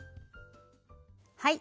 はい。